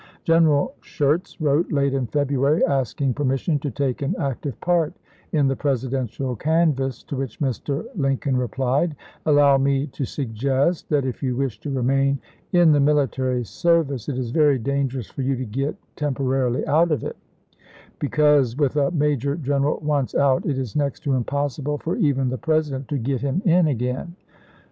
General Schurz wrote, late in February, asking permission to take an active part in the Presidential canvass, to which Mr. Lincoln replied :" Allow me to sug gest that if you wish to remain in the military service, it is very dangerous for you to get tempo rarily out of it ; because, with a major general once out, it is next to impossible for even the President to get him in again.